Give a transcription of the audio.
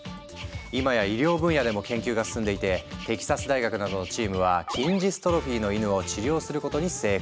今や医療分野でも研究が進んでいてテキサス大学などのチームは筋ジストロフィーの犬を治療することに成功。